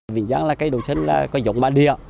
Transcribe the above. vĩnh giang là cây đồ chất có dống mạng địa